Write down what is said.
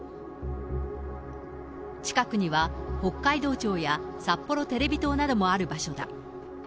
近くには北海道庁やさっぽろテレビ塔などもある場所だ。